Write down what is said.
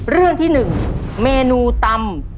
เรื่องที่๑เมนูตำ